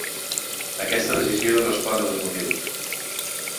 Aquesta decisió respon a dos motius.